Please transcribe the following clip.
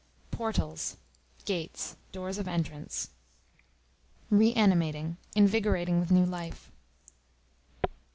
Portals, gates, doors of entrance. Reanimating, invigorating with new life.